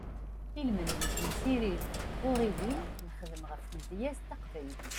Ilmend n temsirin d tɣuriwin nexdem ɣef tmedyazt taqbaylit.